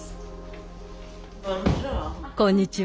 こんにちは。